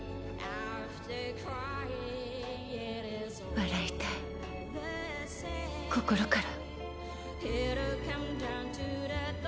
笑いたい心から。